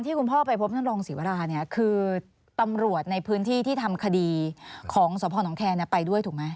ท่านลองศรีวราคือตำรวจในพื้นที่ที่ทำคดีของสวทธิ์พ่อนของแค้นไปด้วยถูกไหม